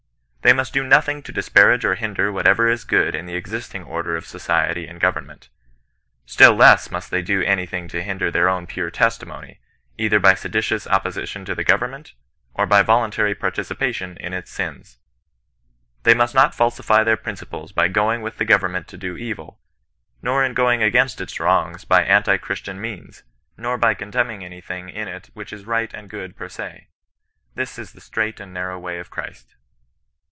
They must do nothing to disparage or hinder whatever is good in the existing order of society and government. Still less must they do any thing to hin der their own pure testimony ; either by seditious oppo sition to government, or by voluntary participation in its sins. They must not falsify their principles by going with the government to do evil, nor in going against its wrongs by anti Christian means, nor by contemning any thing in it which is right and good per se. This is the strait and narrow way of Christ.